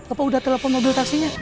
apa udah telepon mobil taksinya